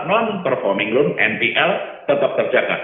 non performing loan npl tetap terjaga